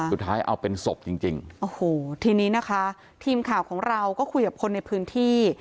สุดท้ายเอาเป็นศพจริงจริงโอ้โหทีนี้นะคะทีมข่าวของเราก็คุยกับคนในพื้นที่